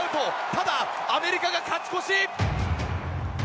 ただ、アメリカが勝ち越し！